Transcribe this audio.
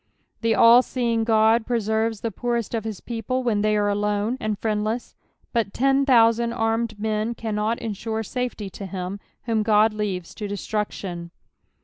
The all leeJDK Ood preserves the poorest of his people when they are olnne and friend len, but ten thousand armed men cannot ensure safety to him whom God lenves to destruction.